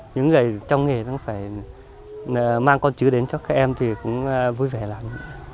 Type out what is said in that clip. những ngày trong nghề nó phải mang con chữ đến cho các em thì cũng vui vẻ lắm